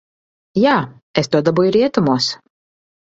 Jā, es to dabūju rietumos.